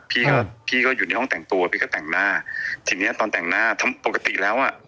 พี่ก็พี่ก็อยู่ในห้องแต่งตัวพี่ก็แต่งหน้าทีเนี้ยตอนแต่งหน้าปกติแล้วอ่ะ